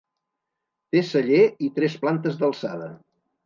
Té celler i tres plantes d'alçada.